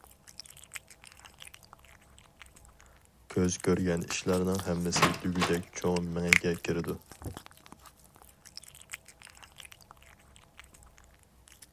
كۆز كۆرگەن ئىشلارنىڭ ھەممىسى دېگۈدەك چوڭ مېڭىگە كىرىدۇ.